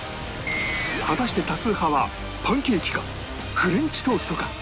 果たして多数派はパンケーキかフレンチトーストか